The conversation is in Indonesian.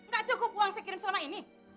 gak cukup uang saya kirim selama ini